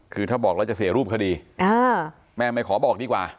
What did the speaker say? คือถ้าบอกแล้วจะเสียรูปคดีแม่ไม่ขอบอกดีกว่า